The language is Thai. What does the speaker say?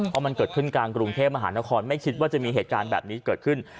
เพราะมันเกิดขึ้นกลางกรุงเทพมหานครไม่คิดว่าจะมีเหตุการณ์แบบนี้เกิดขึ้น